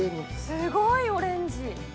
すごいオレンジ！